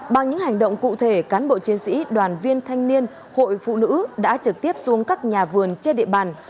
bằng những hành động cụ thể cán bộ chiến sĩ đoàn viên thanh niên hội phụ nữ đã trực tiếp xuống các nhà vườn trên địa bàn